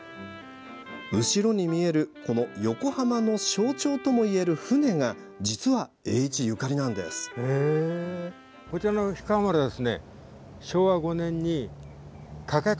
後ろに見えるこの横浜の象徴ともいえる船が実は、栄一ゆかりなんです。